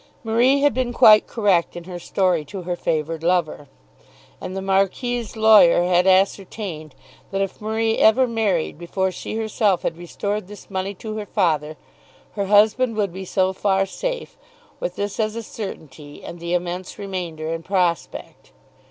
Marie had been quite correct in her story to her favoured lover. And the Marquis's lawyer had ascertained that if Marie ever married before she herself had restored this money to her father, her husband would be so far safe, with this as a certainty and the immense remainder in prospect.